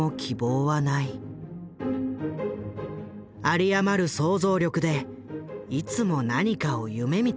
有り余る想像力でいつも何かを夢みている。